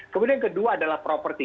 kemudian yang kedua adalah properti